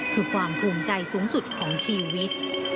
คือความภูมิใจสูงสุดของชีวิต